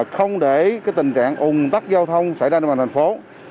không để tình trạng ủng tắc giao thông xảy ra đồng thành phố